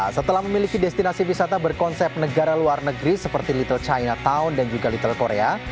setelah memiliki destinasi wisata berkonsep negara luar negeri seperti little chinatown dan juga little korea